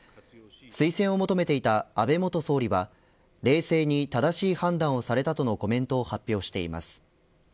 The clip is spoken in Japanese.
推薦を求めていた安倍元総理は冷静に正しい判断をされたとのコメントを発表しています。